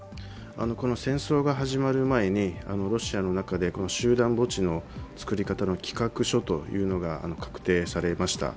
この戦争が始まる前にロシアの中で集団墓地の作り方の企画書というのが策定されました。